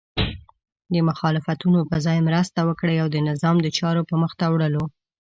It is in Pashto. د مخالفتونو په ځای مرسته وکړئ او د نظام د چارو په مخته وړلو